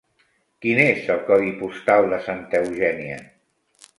Quin és el codi postal de Santa Eugènia?